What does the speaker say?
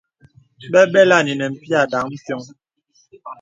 Bɛbɛlì à nə̄ nə̀ pìì à dāŋ piɔŋ.